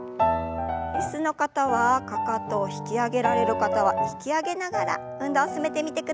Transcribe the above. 椅子の方はかかとを引き上げられる方は引き上げながら運動を進めてみてください。